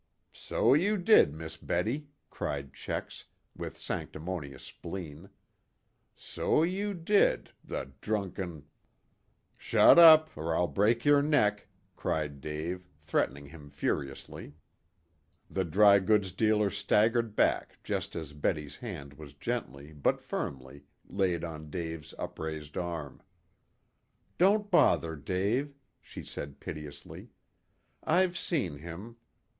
"So you did, Miss Betty," cried Checks, with sanctimonious spleen. "So you did the drunken " "Shut up, or I'll break your neck!" cried Dave, threatening him furiously. The dry goods dealer staggered back just as Betty's hand was gently, but firmly, laid on Dave's upraised arm. "Don't bother, Dave," she said piteously. "I've seen him.